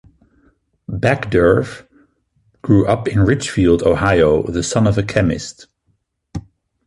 Backderf grew up in Richfield, Ohio, the son of a chemist.